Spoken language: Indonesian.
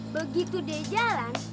begitu deh jalan